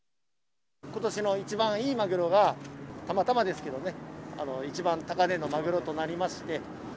今年の一番いいマグロが，たまたま一番高値のマグロとなりまして。